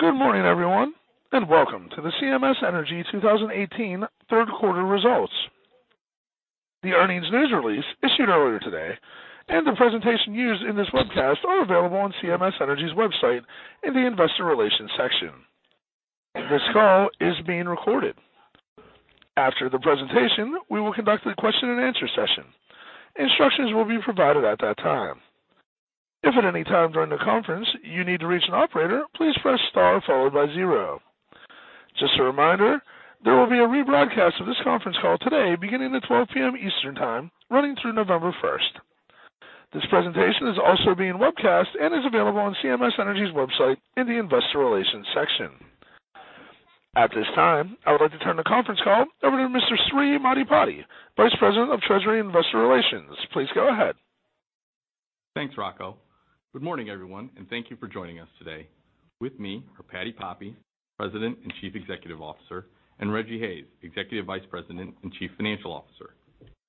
Good morning, everyone, and welcome to the CMS Energy 2018 third quarter results. The earnings news release issued earlier today and the presentation used in this webcast are available on CMS Energy's website in the investor relations section. This call is being recorded. After the presentation, we will conduct a question and answer session. Instructions will be provided at that time. If at any time during the conference you need to reach an operator, please press star followed by zero. Just a reminder, there will be a rebroadcast of this conference call today beginning at 12:00 P.M. Eastern Time, running through November 1st. This presentation is also being webcast and is available on CMS Energy's website in the investor relations section. At this time, I would like to turn the conference call over to Mr. Srikanth Maddipati, Vice President of Treasury and Investor Relations. Please go ahead. Thanks, Rocco. Good morning, everyone, and thank you for joining us today. With me are Patricia Poppe, President and Chief Executive Officer, and Rejji Hayes, Executive Vice President and Chief Financial Officer.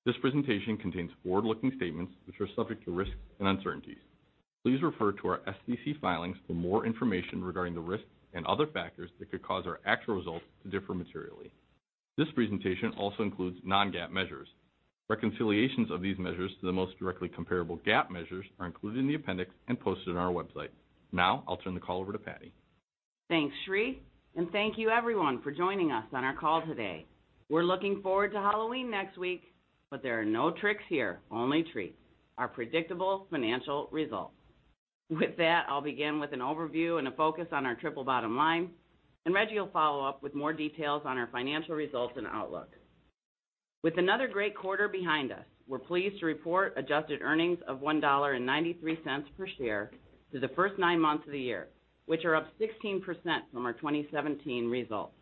This presentation contains forward-looking statements, which are subject to risks and uncertainties. Please refer to our SEC filings for more information regarding the risks and other factors that could cause our actual results to differ materially. This presentation also includes non-GAAP measures. Reconciliations of these measures to the most directly comparable GAAP measures are included in the appendix and posted on our website. I'll turn the call over to Patty. Thanks, Sri. Thank you everyone for joining us on our call today. We're looking forward to Halloween next week. There are no tricks here, only treats. Our predictable financial results. With that, I'll begin with an overview and a focus on our triple bottom line. Rejji will follow up with more details on our financial results and outlook. With another great quarter behind us, we're pleased to report adjusted earnings of $1.93 per share through the first nine months of the year, which are up 16% from our 2017 results.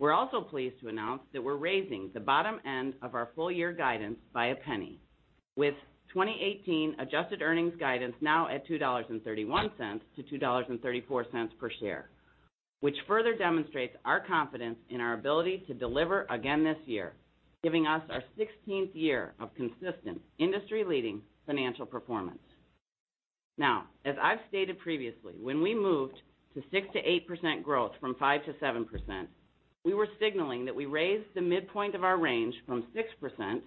We're also pleased to announce that we're raising the bottom end of our full-year guidance by a penny. With 2018 adjusted earnings guidance now at $2.31-$2.34 per share, which further demonstrates our confidence in our ability to deliver again this year, giving us our 16th year of consistent industry-leading financial performance. As I've stated previously, when we moved to 6%-8% growth from 5%-7%, we were signaling that we raised the midpoint of our range from 6%-7%,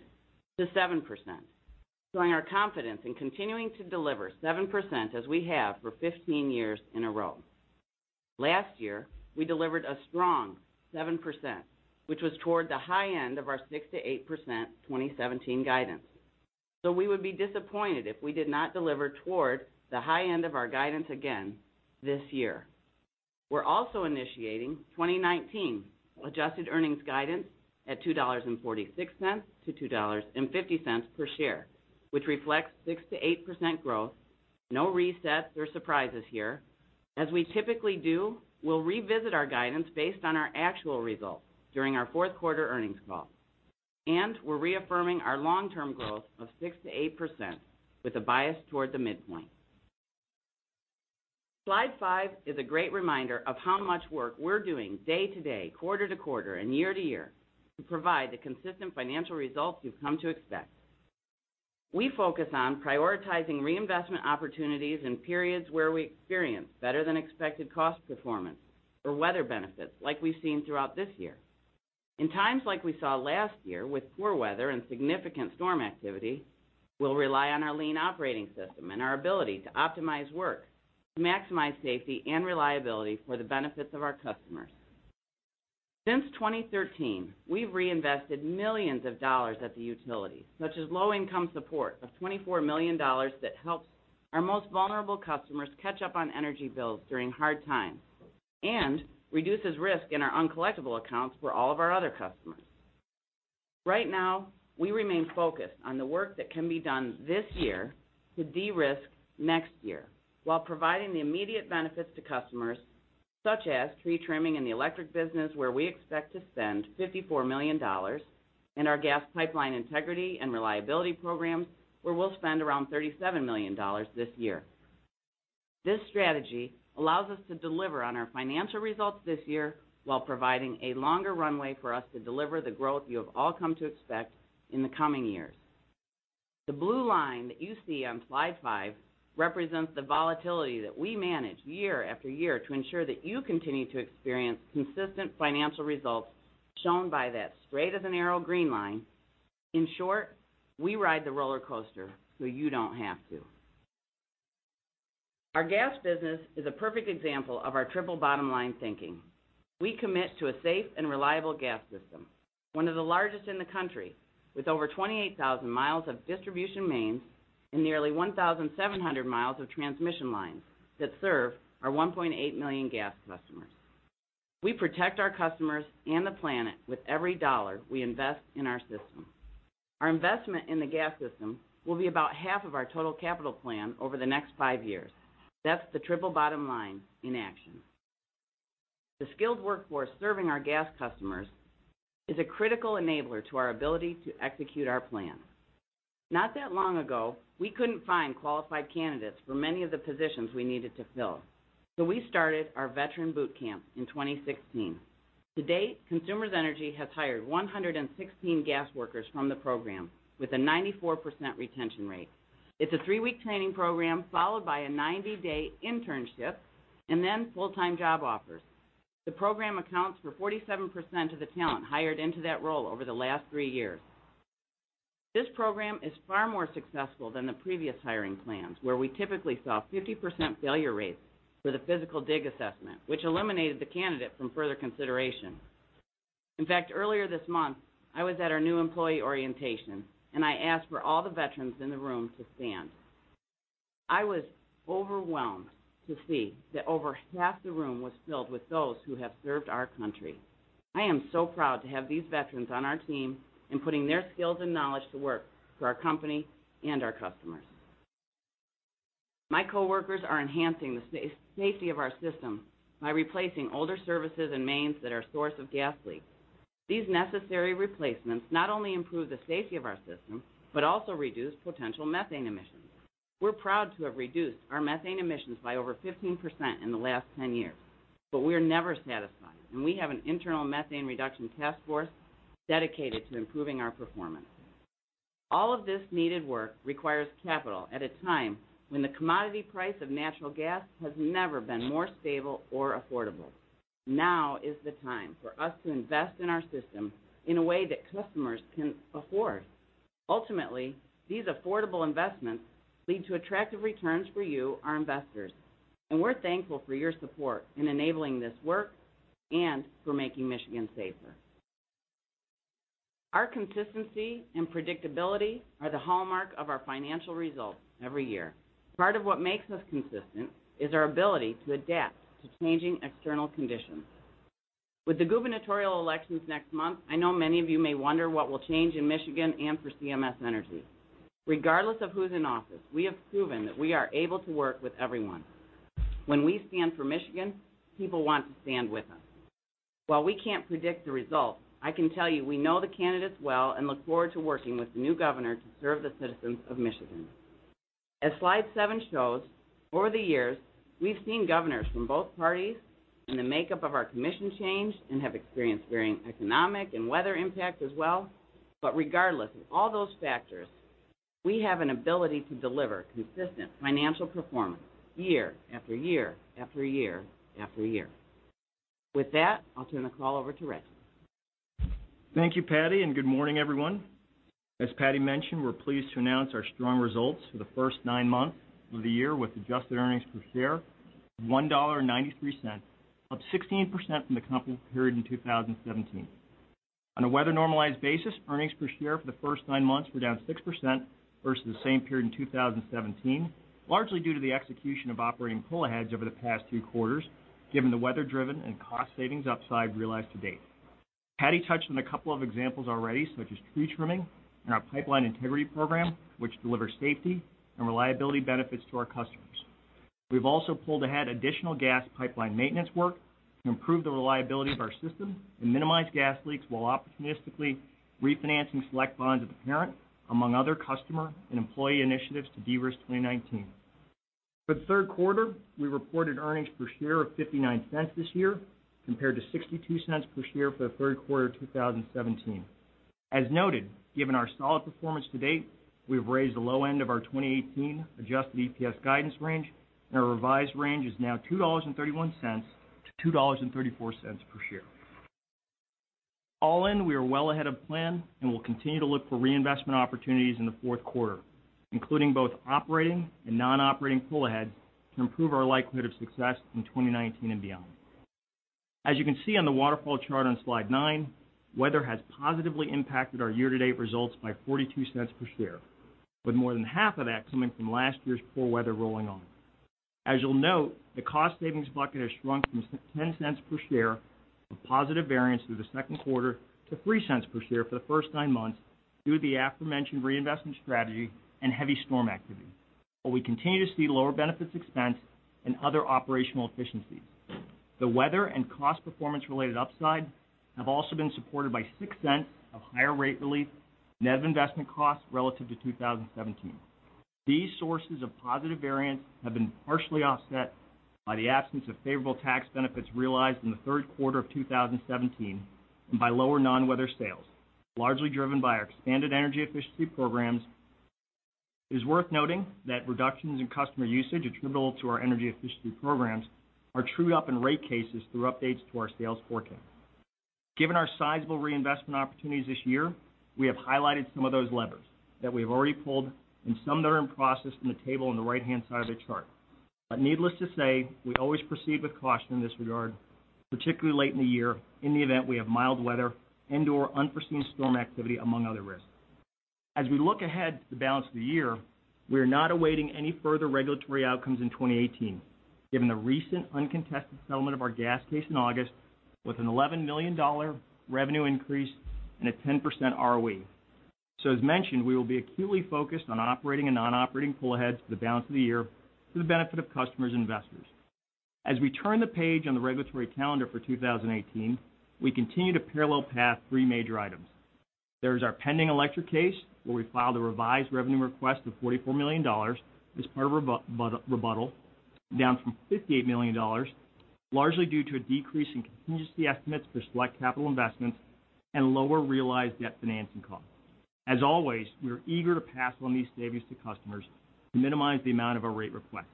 showing our confidence in continuing to deliver 7% as we have for 15 years in a row. Last year, we delivered a strong 7%, which was toward the high end of our 6%-8% 2017 guidance. We would be disappointed if we did not deliver toward the high end of our guidance again this year. We're also initiating 2019 adjusted earnings guidance at $2.46-$2.50 per share, which reflects 6%-8% growth. No resets or surprises here. As we typically do, we'll revisit our guidance based on our actual results during our fourth quarter earnings call. We're reaffirming our long-term growth of 6%-8% with a bias toward the midpoint. Slide five is a great reminder of how much work we're doing day to day, quarter to quarter, and year to year to provide the consistent financial results you've come to expect. We focus on prioritizing reinvestment opportunities in periods where we experience better-than-expected cost performance or weather benefits like we've seen throughout this year. In times like we saw last year with poor weather and significant storm activity, we'll rely on our lean operating system and our ability to optimize work to maximize safety and reliability for the benefits of our customers. Since 2013, we've reinvested millions of dollars at the utility, such as low-income support of $24 million that helps our most vulnerable customers catch up on energy bills during hard times and reduces risk in our uncollectible accounts for all of our other customers. Right now, we remain focused on the work that can be done this year to de-risk next year while providing the immediate benefits to customers, such as tree trimming in the electric business, where we expect to spend $54 million, and our gas pipeline integrity and reliability programs, where we'll spend around $37 million this year. This strategy allows us to deliver on our financial results this year while providing a longer runway for us to deliver the growth you have all come to expect in the coming years. The blue line that you see on Slide five represents the volatility that we manage year after year to ensure that you continue to experience consistent financial results shown by that straight-as-an-arrow green line. In short, we ride the roller coaster so you don't have to. Our gas business is a perfect example of our triple bottom line thinking. We commit to a safe and reliable gas system, one of the largest in the country, with over 28,000 miles of distribution mains and nearly 1,700 miles of transmission lines that serve our 1.8 million gas customers. We protect our customers and the planet with every dollar we invest in our system. Our investment in the gas system will be about half of our total capital plan over the next five years. That's the triple bottom line in action. The skilled workforce serving our gas customers is a critical enabler to our ability to execute our plan. Not that long ago, we couldn't find qualified candidates for many of the positions we needed to fill, so we started our veteran boot camp in 2016. To date, Consumers Energy has hired 116 gas workers from the program with a 94% retention rate. It's a three-week training program followed by a 90-day internship and then full-time job offers. The program accounts for 47% of the talent hired into that role over the last three years. This program is far more successful than the previous hiring plans, where we typically saw 50% failure rates for the physical dig assessment, which eliminated the candidate from further consideration. In fact, earlier this month, I was at our new employee orientation, I asked for all the veterans in the room to stand. I was overwhelmed to see that over half the room was filled with those who have served our country. I am so proud to have these veterans on our team and putting their skills and knowledge to work for our company and our customers. My coworkers are enhancing the safety of our system by replacing older services and mains that are a source of gas leaks. These necessary replacements not only improve the safety of our system but also reduce potential methane emissions. We're proud to have reduced our methane emissions by over 15% in the last 10 years. We're never satisfied, and we have an internal methane reduction task force dedicated to improving our performance. All of this needed work requires capital at a time when the commodity price of natural gas has never been more stable or affordable. Now is the time for us to invest in our system in a way that customers can afford. Ultimately, these affordable investments lead to attractive returns for you, our investors, and we're thankful for your support in enabling this work and for making Michigan safer. Our consistency and predictability are the hallmark of our financial results every year. Part of what makes us consistent is our ability to adapt to changing external conditions. With the gubernatorial elections next month, I know many of you may wonder what will change in Michigan and for CMS Energy. Regardless of who's in office, we have proven that we are able to work with everyone. When we stand for Michigan, people want to stand with us. While we can't predict the result, I can tell you we know the candidates well and look forward to working with the new governor to serve the citizens of Michigan. As slide seven shows, over the years, we've seen governors from both parties and the makeup of our commission change and have experienced varying economic and weather impacts as well. Regardless of all those factors, we have an ability to deliver consistent financial performance year after year after year after year. With that, I'll turn the call over to Rejji. Thank you, Patty, and good morning, everyone. As Patty mentioned, we're pleased to announce our strong results for the first nine months of the year, with adjusted earnings per share of $1.93, up 16% from the comparable period in 2017. On a weather-normalized basis, earnings per share for the first nine months were down 6% versus the same period in 2017, largely due to the execution of operating pull aheads over the past two quarters, given the weather-driven and cost savings upside realized to date. Patty touched on a couple of examples already, such as tree trimming and our pipeline integrity program, which delivers safety and reliability benefits to our customers. We've also pulled ahead additional gas pipeline maintenance work to improve the reliability of our system and minimize gas leaks while opportunistically refinancing select bonds with the parent, among other customer and employee initiatives to derisk 2019. For the third quarter, we reported earnings per share of $0.59 this year, compared to $0.62 per share for the third quarter of 2017. As noted, given our solid performance to date, we've raised the low end of our 2018 adjusted EPS guidance range, and our revised range is now $2.31-$2.34 per share. All in, we are well ahead of plan, and we'll continue to look for reinvestment opportunities in the fourth quarter, including both operating and non-operating pull ahead to improve our likelihood of success in 2019 and beyond. As you can see on the waterfall chart on slide nine, weather has positively impacted our year-to-date results by $0.42 per share, with more than half of that coming from last year's poor weather rolling on. As you'll note, the cost savings bucket has shrunk from $0.10 per share of positive variance through the second quarter to $0.03 per share for the first nine months due to the aforementioned reinvestment strategy and heavy storm activity, where we continue to see lower benefits expense and other operational efficiencies. The weather and cost performance-related upside have also been supported by $0.06 of higher rate relief, net of investment costs relative to 2017. These sources of positive variance have been partially offset by the absence of favorable tax benefits realized in the third quarter of 2017 and by lower non-weather sales, largely driven by our expanded energy efficiency programs. It is worth noting that reductions in customer usage attributable to our energy efficiency programs are trued up in rate cases through updates to our sales forecast. Given our sizable reinvestment opportunities this year, we have highlighted some of those levers that we have already pulled and some that are in process in the table on the right-hand side of the chart. Needless to say, we always proceed with caution in this regard, particularly late in the year in the event we have mild weather and/or unforeseen storm activity, among other risks. As we look ahead to the balance of the year, we are not awaiting any further regulatory outcomes in 2018, given the recent uncontested settlement of our gas case in August with an $11 million revenue increase and a 10% ROE. As mentioned, we will be acutely focused on operating and non-operating pull aheads for the balance of the year for the benefit of customers and investors. As we turn the page on the regulatory calendar for 2018, we continue to parallel path three major items. There's our pending electric case where we filed a revised revenue request of $44 million as part of rebuttal, down from $58 million, largely due to a decrease in contingency estimates for select capital investments and lower realized debt financing costs. As always, we are eager to pass on these savings to customers to minimize the amount of our rate request.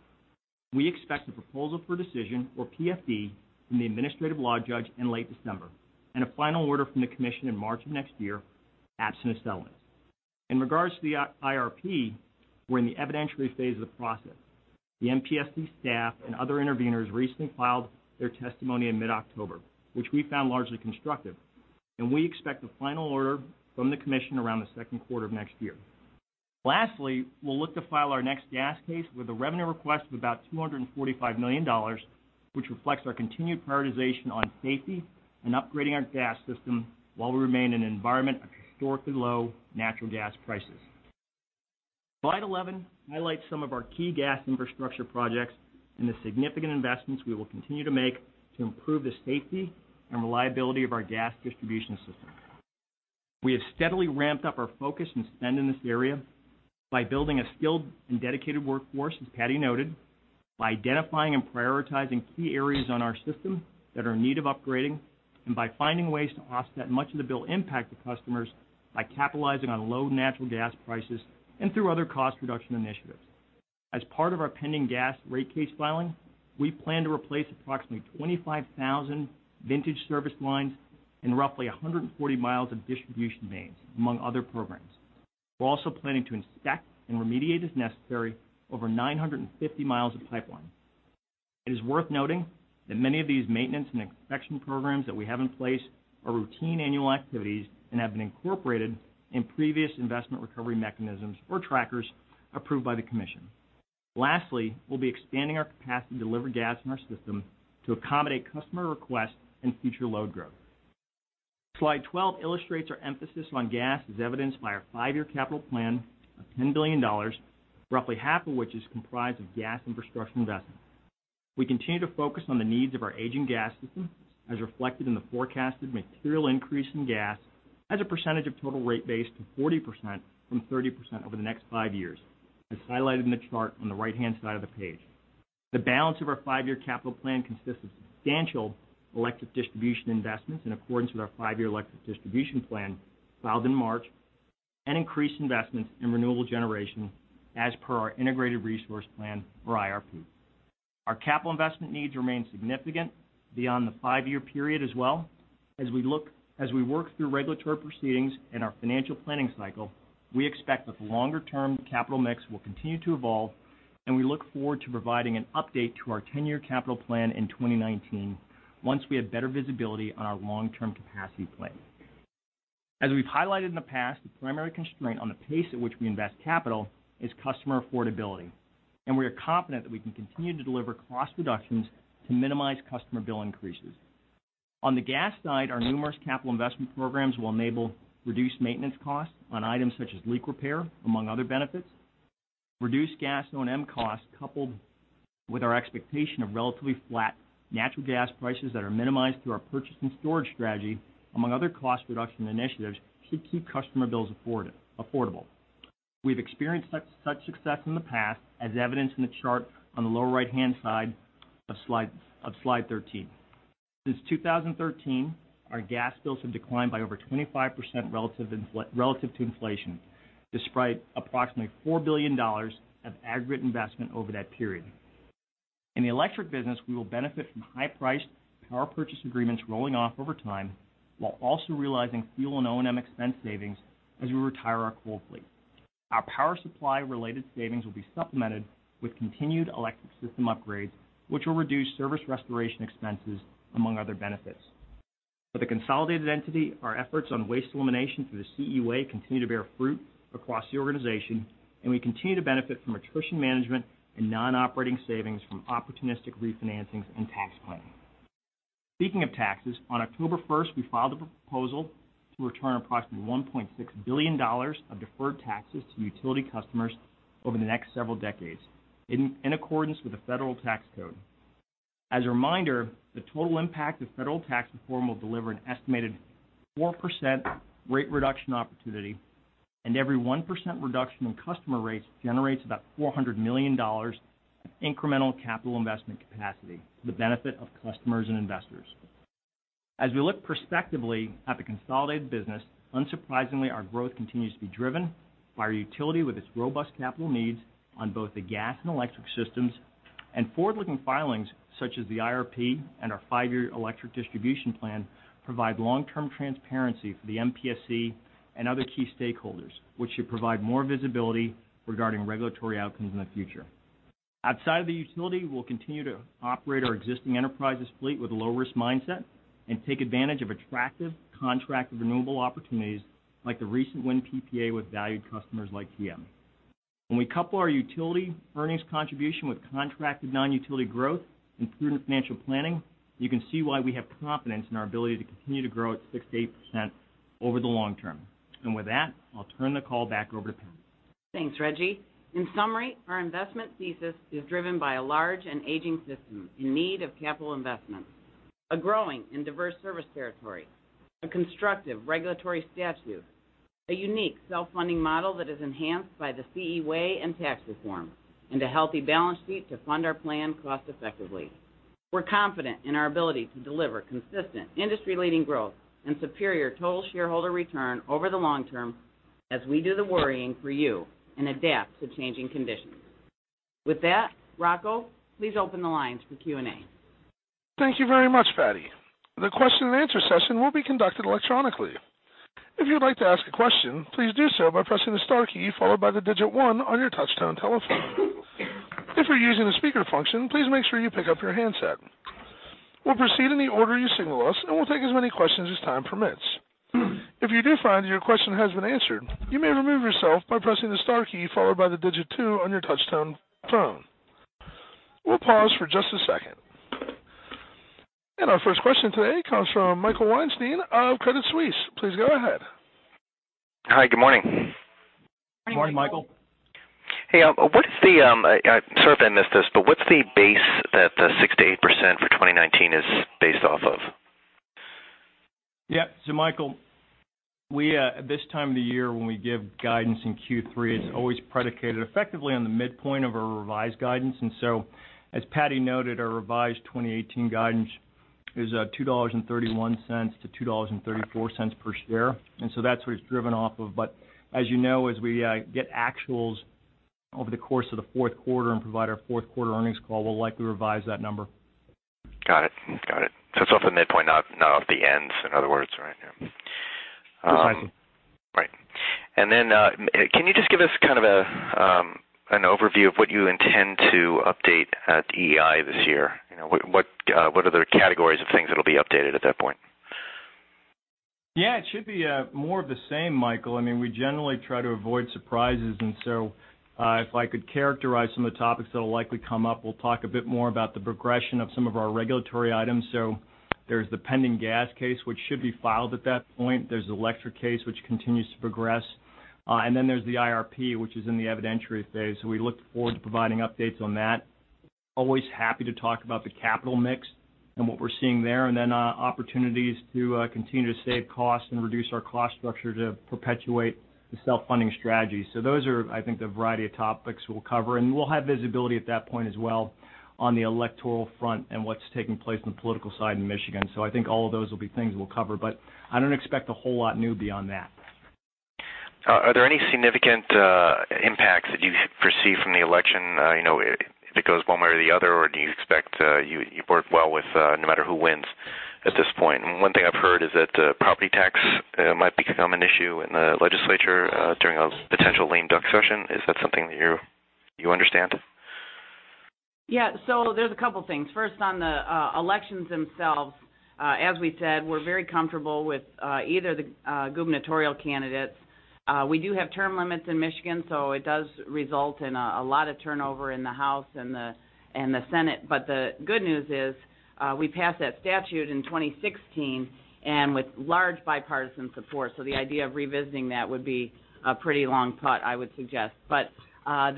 We expect the proposal for decision, or PFD, from the administrative law judge in late December, and a final order from the commission in March of next year, absent settlements. In regards to the IRP, we're in the evidentiary phase of the process. The MPSC staff and other interveners recently filed their testimony in mid-October, which we found largely constructive, and we expect the final order from the commission around the second quarter of next year. Lastly, we'll look to file our next gas case with a revenue request of about $245 million, which reflects our continued prioritization on safety and upgrading our gas system while we remain in an environment of historically low natural gas prices. Slide 11 highlights some of our key gas infrastructure projects and the significant investments we will continue to make to improve the safety and reliability of our gas distribution system. We have steadily ramped up our focus and spend in this area by building a skilled and dedicated workforce, as Patty noted, by identifying and prioritizing key areas on our system that are in need of upgrading, and by finding ways to offset much of the bill impact to customers by capitalizing on low natural gas prices and through other cost reduction initiatives. As part of our pending gas rate case filing, we plan to replace approximately 25,000 vintage service lines and roughly 140 miles of distribution mains, among other programs. We're also planning to inspect and remediate, as necessary, over 950 miles of pipeline. It is worth noting that many of these maintenance and inspection programs that we have in place are routine annual activities and have been incorporated in previous investment recovery mechanisms or trackers approved by the commission. Lastly, we'll be expanding our capacity to deliver gas in our system to accommodate customer requests and future load growth. Slide 12 illustrates our emphasis on gas as evidenced by our five-year capital plan of $10 billion, roughly half of which is comprised of gas infrastructure investments. We continue to focus on the needs of our aging gas system, as reflected in the forecasted material increase in gas as a percentage of total rate base to 40% from 30% over the next five years, as highlighted in the chart on the right-hand side of the page. The balance of our five-year capital plan consists of substantial electric distribution investments in accordance with our five-year electric distribution plan filed in March, and increased investments in renewable generation as per our integrated resource plan, or IRP. Our capital investment needs remain significant beyond the five-year period as well. As we work through regulatory proceedings and our financial planning cycle, we expect the longer term capital mix will continue to evolve, and we look forward to providing an update to our 10-year capital plan in 2019 once we have better visibility on our long-term capacity plan. As we've highlighted in the past, the primary constraint on the pace at which we invest capital is customer affordability, and we are confident that we can continue to deliver cost reductions to minimize customer bill increases. On the gas side, our numerous capital investment programs will enable reduced maintenance costs on items such as leak repair, among other benefits. Reduced gas O&M costs, coupled with our expectation of relatively flat natural gas prices that are minimized through our purchase and storage strategy, among other cost reduction initiatives, should keep customer bills affordable. We've experienced such success in the past, as evidenced in the chart on the lower right-hand side of slide 13. Since 2013, our gas bills have declined by over 25% relative to inflation, despite approximately $4 billion of aggregate investment over that period. In the electric business, we will benefit from high-priced power purchase agreements rolling off over time while also realizing fuel and O&M expense savings as we retire our coal fleet. Our power supply related savings will be supplemented with continued electric system upgrades, which will reduce service restoration expenses, among other benefits. For the consolidated entity, our efforts on waste elimination through the CE Way continue to bear fruit across the organization. We continue to benefit from attrition management and non-operating savings from opportunistic refinancings and tax planning. Speaking of taxes, on October 1st, we filed a proposal to return approximately $1.6 billion of deferred taxes to utility customers over the next several decades in accordance with the federal tax code. As a reminder, the total impact of federal tax reform will deliver an estimated 4% rate reduction opportunity. Every 1% reduction in customer rates generates about $400 million in incremental capital investment capacity to the benefit of customers and investors. As we look prospectively at the consolidated business, unsurprisingly, our growth continues to be driven by our utility with its robust capital needs on both the gas and electric systems. Forward-looking filings such as the IRP and our five-year electric distribution plan provide long-term transparency for the MPSC and other key stakeholders, which should provide more visibility regarding regulatory outcomes in the future. Outside of the utility, we'll continue to operate our existing Enterprises fleet with a low-risk mindset and take advantage of attractive contracted renewable opportunities like the recent wind PPA with valued customers like GM. When we couple our utility earnings contribution with contracted non-utility growth and prudent financial planning, you can see why we have confidence in our ability to continue to grow at 6%-8% over the long term. With that, I'll turn the call back over to Patty. Thanks, Rejji. In summary, our investment thesis is driven by a large and aging system in need of capital investment, a growing and diverse service territory, a constructive regulatory statute, a unique self-funding model that is enhanced by the CE Way and tax reform, and a healthy balance sheet to fund our plan cost effectively. We're confident in our ability to deliver consistent industry-leading growth and superior total shareholder return over the long term as we do the worrying for you and adapt to changing conditions. With that, Rocco, please open the lines for Q&A. Thank you very much, Patty. The question-and-answer session will be conducted electronically. If you'd like to ask a question, please do so by pressing the star key followed by the digit 1 on your touch-tone telephone. If you're using the speaker function, please make sure you pick up your handset. We'll proceed in the order you signal us, and we'll take as many questions as time permits. If you do find your question has been answered, you may remove yourself by pressing the star key followed by the digit 2 on your touch-tone phone. We'll pause for just a second. Our first question today comes from Michael Weinstein of Credit Suisse. Please go ahead. Hi. Good morning. Good morning, Michael. Hey, sorry if I missed this, what's the base that the 6%-8% for 2019 is based off of? Yeah. Michael, this time of the year when we give guidance in Q3, it's always predicated effectively on the midpoint of our revised guidance. As Patty noted, our revised 2018 guidance is $2.31-$2.34 per share. That's what it's driven off of. As you know, as we get actuals over the course of the fourth quarter and provide our fourth-quarter earnings call, we'll likely revise that number. Got it. It's off the midpoint, not off the ends, in other words, right? Yeah. That's right. Right. Can you just give us kind of an overview of what you intend to update at EEI this year? What are the categories of things that'll be updated at that point? It should be more of the same, Michael. We generally try to avoid surprises. If I could characterize some of the topics that'll likely come up, we'll talk a bit more about the progression of some of our regulatory items. There's the pending gas case, which should be filed at that point. There's the electric case, which continues to progress. There's the IRP, which is in the evidentiary phase. We look forward to providing updates on that. Always happy to talk about the capital mix and what we're seeing there, and then opportunities to continue to save costs and reduce our cost structure to perpetuate the self-funding strategy. Those are, I think, the variety of topics we'll cover, and we'll have visibility at that point as well on the electoral front and what's taking place on the political side in Michigan. I think all of those will be things we'll cover, but I don't expect a whole lot new beyond that. Are there any significant impacts that you foresee from the election if it goes one way or the other? Do you expect you work well with no matter who wins at this point? One thing I've heard is that the property tax might become an issue in the legislature during a potential lame duck session. Is that something that you understand? There's a couple things. First, on the elections themselves, as we said, we're very comfortable with either of the gubernatorial candidates. We do have term limits in Michigan, so it does result in a lot of turnover in the House and the Senate. The good news is we passed that statute in 2016, with large bipartisan support. The idea of revisiting that would be a pretty long shot, I would suggest. The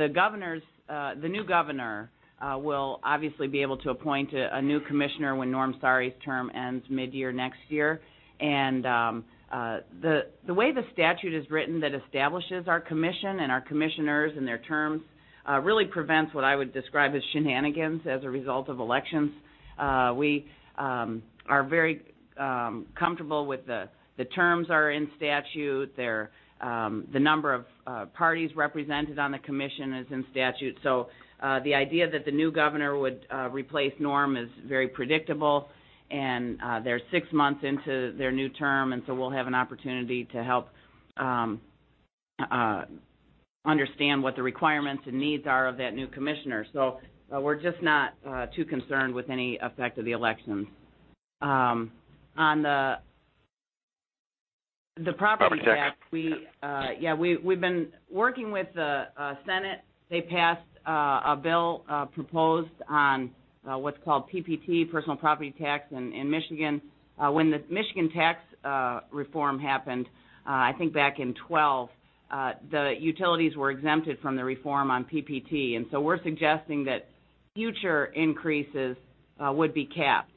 new governor will obviously be able to appoint a new commissioner when Norm Saari's term ends mid-year next year. The way the statute is written that establishes our commission and our commissioners and their terms really prevents what I would describe as shenanigans as a result of elections. We are very comfortable with the terms are in statute. The number of parties represented on the commission is in statute. The idea that the new governor would replace Norm is very predictable, they're six months into their new term, we'll have an opportunity to help understand what the requirements and needs are of that new commissioner. We're just not too concerned with any effect of the elections. On the property tax. Property tax. Yeah, we've been working with the Senate. They passed a bill proposed on what's called PPT, personal property tax in Michigan. When the Michigan tax reform happened, I think back in 2012, the utilities were exempted from the reform on PPT. We're suggesting that future increases would be capped.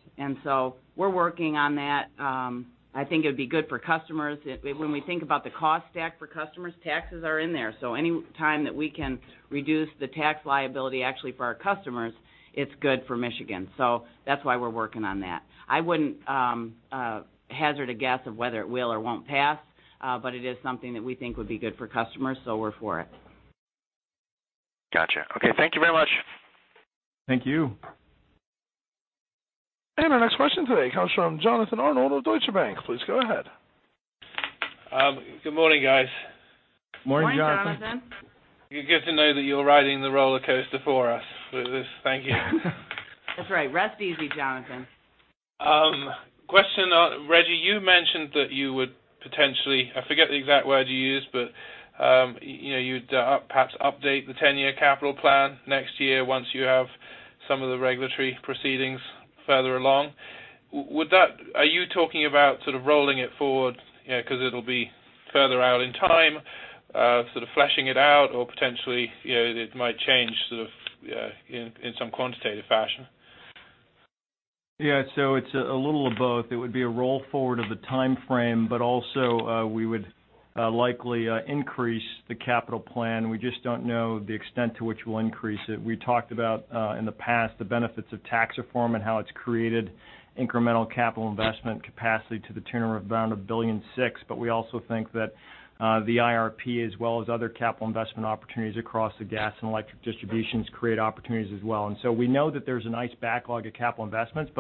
We're working on that. I think it would be good for customers. When we think about the cost stack for customers, taxes are in there. Any time that we can reduce the tax liability actually for our customers, it's good for Michigan. That's why we're working on that. I wouldn't hazard a guess of whether it will or won't pass, it is something that we think would be good for customers, we're for it. Got you. Okay, thank you very much. Thank you. Our next question today comes from Jonathan Arnold of Deutsche Bank. Please go ahead. Good morning, guys. Morning, Jonathan. Morning, Jonathan. It's good to know that you're riding the roller coaster for us with this. Thank you. That's right. Rest easy, Jonathan. Question. Rejji, you mentioned that you would potentially, I forget the exact word you used, but you'd perhaps update the 10-year capital plan next year once you have some of the regulatory proceedings further along. Are you talking about sort of rolling it forward because it'll be further out in time, sort of fleshing it out or potentially, it might change sort of in some quantitative fashion? It's a little of both. It would be a roll forward of the timeframe, also, we would likely increase the capital plan. We just don't know the extent to which we'll increase it. We talked about, in the past, the benefits of tax reform and how it's created incremental capital investment capacity to the tune of around $1.6 billion. We also think that the IRP, as well as other capital investment opportunities across the gas and electric distributions, create opportunities as well. We know that there's a nice backlog of capital investments,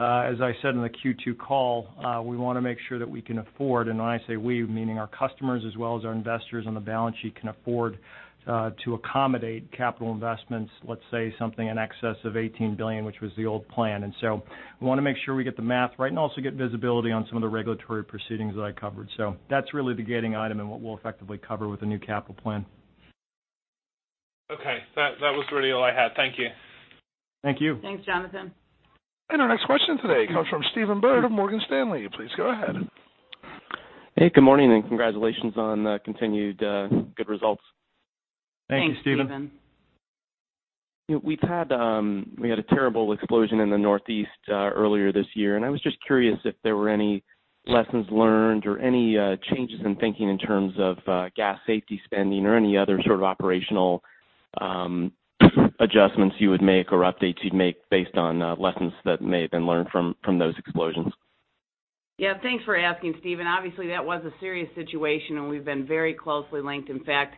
as I said in the Q2 call, we want to make sure that we can afford, and when I say we, meaning our customers as well as our investors on the balance sheet can afford to accommodate capital investments, let's say something in excess of $18 billion, which was the old plan. We want to make sure we get the math right and also get visibility on some of the regulatory proceedings that I covered. That's really the gating item and what we'll effectively cover with the new capital plan. That was really all I had. Thank you. Thank you. Thanks, Jonathan. Our next question today comes from Stephen Byrd of Morgan Stanley. Please go ahead. Hey. Good morning, and congratulations on the continued good results. Thank you, Stephen. Thanks, Stephen. We had a terrible explosion in the Northeast earlier this year. I was just curious if there were any lessons learned or any changes in thinking in terms of gas safety spending or any other sort of operational adjustments you would make or updates you'd make based on lessons that may have been learned from those explosions. Thanks for asking, Stephen. Obviously, that was a serious situation. We've been very closely linked. In fact,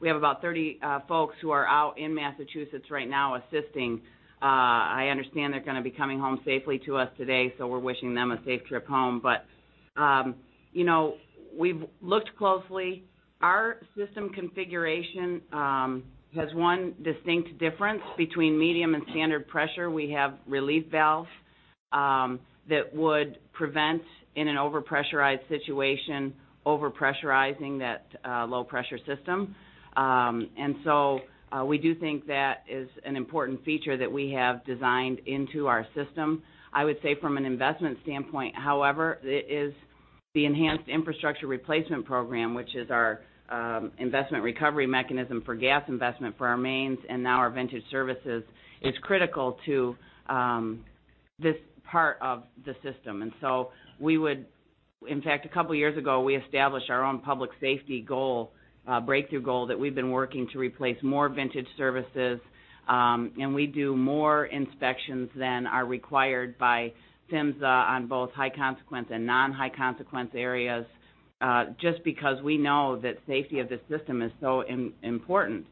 we have about 30 folks who are out in Massachusetts right now assisting. I understand they're going to be coming home safely to us today, so we're wishing them a safe trip home. We've looked closely. Our system configuration has one distinct difference between medium and standard pressure. We have relief valves that would prevent, in an an over-pressurized situation, over-pressurizing that low-pressure system. We do think that is an important feature that we have designed into our system. I would say from an investment standpoint, however, it is the Enhanced Infrastructure Replacement Program, which is our investment recovery mechanism for gas investment for our mains and now our vintage services, is critical to this part of the system. In fact, a couple of years ago, we established our own public safety goal, a breakthrough goal, that we've been working to replace more vintage services. We do more inspections than are required by PHMSA on both high consequence and non-high consequence areas, just because we know that safety of the system is so important.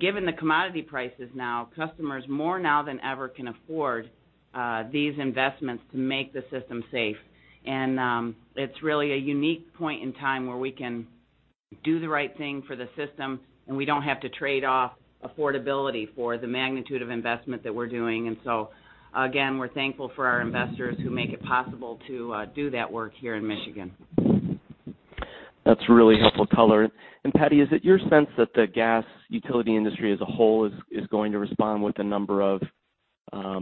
Given the commodity prices now, customers more now than ever can afford these investments to make the system safe. It's really a unique point in time where we can do the right thing for the system, and we don't have to trade off affordability for the magnitude of investment that we're doing. Again, we're thankful for our investors who make it possible to do that work here in Michigan. That's a really helpful color. Patty, is it your sense that the gas utility industry as a whole is going to respond with a number of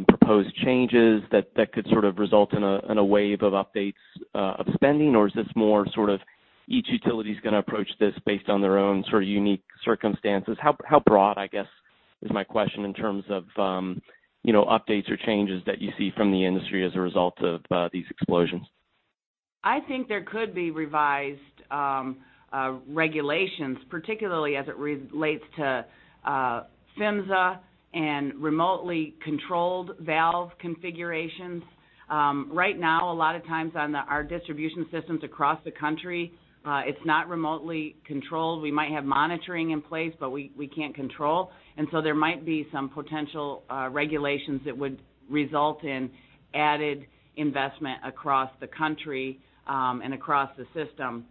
proposed changes that could sort of result in a wave of updates of spending? Or is this more sort of each utility's going to approach this based on their own sort of unique circumstances? How broad, I guess, is my question, in terms of updates or changes that you see from the industry as a result of these explosions? I think there could be revised regulations, particularly as it relates to PHMSA and remotely controlled valve configurations. Right now, a lot of times on our distribution systems across the country, it's not remotely controlled. We might have monitoring in place, but we can't control. There might be some potential regulations that would result in added investment across the country and across the system.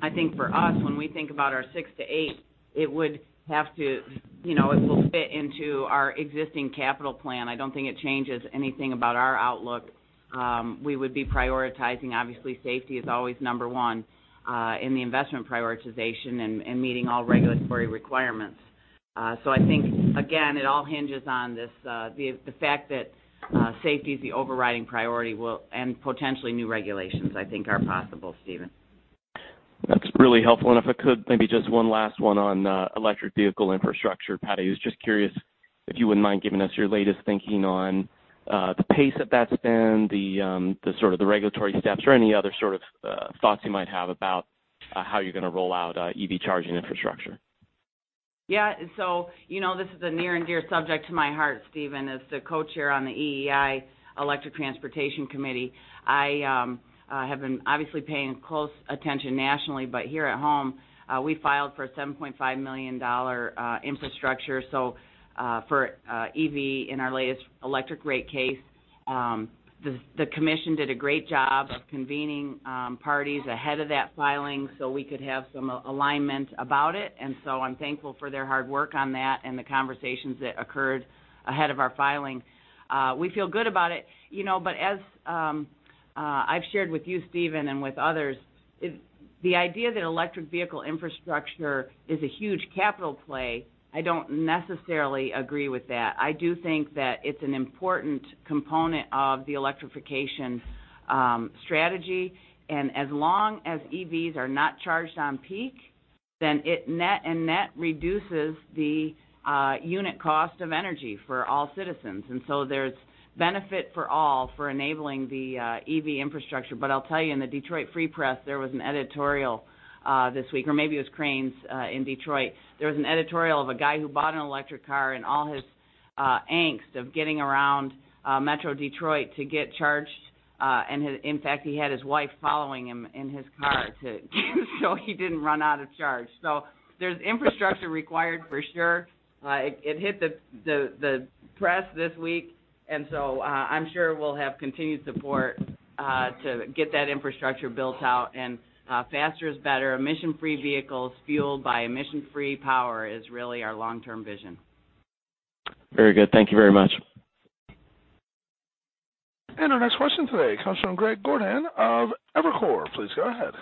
I think for us, when we think about our six to eight, it will fit into our existing capital plan. I don't think it changes anything about our outlook. We would be prioritizing, obviously, safety is always number one in the investment prioritization, and meeting all regulatory requirements. I think, again, it all hinges on the fact that safety is the overriding priority, and potentially new regulations, I think are possible, Stephen. That's really helpful. If I could, maybe just one last one on electric vehicle infrastructure. Patty, I was just curious if you wouldn't mind giving us your latest thinking on the pace that that's been, the sort of the regulatory steps or any other sort of thoughts you might have about how you're going to roll out EV charging infrastructure. Yeah. This is a near and dear subject to my heart, Stephen. As the co-chair on the EEI Electric Transportation Committee, I have been obviously paying close attention nationally, but here at home, we filed for a $7.5 million infrastructure. For EV in our latest electric rate case, the commission did a great job of convening parties ahead of that filing so we could have some alignment about it. I'm thankful for their hard work on that and the conversations that occurred ahead of our filing. We feel good about it. As I've shared with you, Stephen, and with others The idea that electric vehicle infrastructure is a huge capital play, I don't necessarily agree with that. I do think that it's an important component of the electrification strategy. As long as EVs are not charged on peak, then it net and net reduces the unit cost of energy for all citizens. So there's benefit for all for enabling the EV infrastructure. I'll tell you, in the "Detroit Free Press," there was an editorial, this week, or maybe it was Crain's in Detroit. There was an editorial of a guy who bought an electric car and all his angst of getting around Metro Detroit to get charged. In fact, he had his wife following him in his car so he didn't run out of charge. So there's infrastructure required for sure. It hit the press this week, so I'm sure we'll have continued support to get that infrastructure built out, faster is better. Emission-free vehicles fueled by emission-free power is really our long-term vision. Very good. Thank you very much. Our next question today comes from Greg Gordon of Evercore. Please go ahead.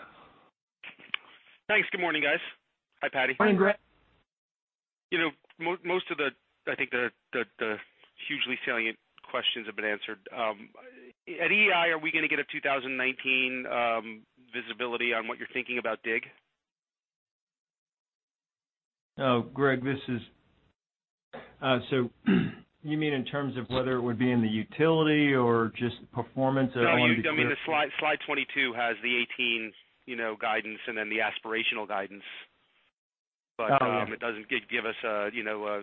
Thanks. Good morning, guys. Hi, Patty. Morning, Greg. Most of the, I think, the hugely salient questions have been answered. At EEI, are we going to get a 2019 visibility on what you're thinking about DIG? Oh, Greg, you mean in terms of whether it would be in the utility or just performance? I wanted to be clear. No, I mean, slide 22 has the 2018 guidance and then the aspirational guidance. Oh. It doesn't give us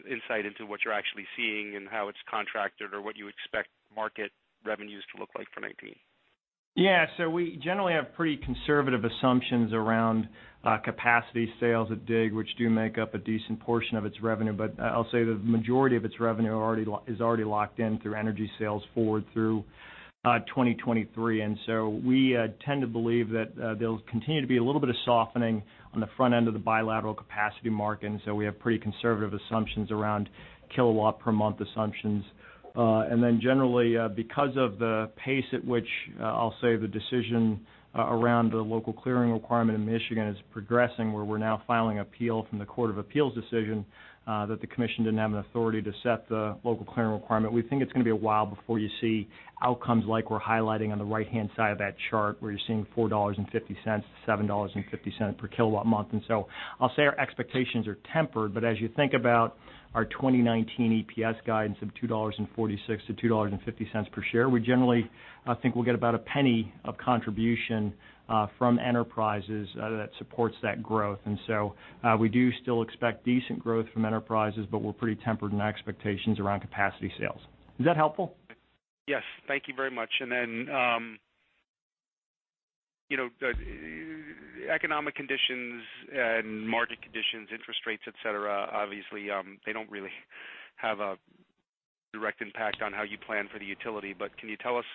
insight into what you're actually seeing and how it's contracted or what you expect market revenues to look like for 2019. Yeah. We generally have pretty conservative assumptions around capacity sales at DIG, which do make up a decent portion of its revenue. I'll say the majority of its revenue is already locked in through energy sales forward through 2023. We tend to believe that there'll continue to be a little bit of softening on the front end of the bilateral capacity market, we have pretty conservative assumptions around kilowatt per month assumptions. Generally, because of the pace at which I'll say the decision around the local clearing requirement in Michigan is progressing, where we're now filing an appeal from the Court of Appeals decision that the commission didn't have an authority to set the local clearing requirement. We think it's going to be a while before you see outcomes like we're highlighting on the right-hand side of that chart, where you're seeing $4.50-$7.50 per kilowatt month. I'll say our expectations are tempered, as you think about our 2019 EPS guidance of $2.46-$2.50 per share, we generally think we'll get about $0.01 of contribution from Enterprises that supports that growth. We do still expect decent growth from Enterprises, we're pretty tempered in our expectations around capacity sales. Is that helpful? Yes. Thank you very much. The economic conditions and market conditions, interest rates, et cetera, obviously, they don't really have a direct impact on how you plan for the utility. Can you tell us